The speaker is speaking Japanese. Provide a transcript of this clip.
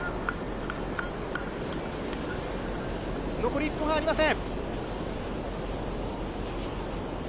残り１分ありません。